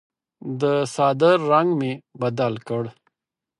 د څادر رنګ مې بدل کړ.